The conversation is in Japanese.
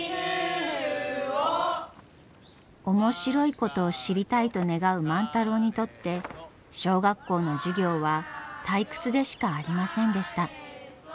面白いことを知りたいと願う万太郎にとって小学校の授業は退屈でしかありませんでした。